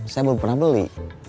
saya belum pernah beli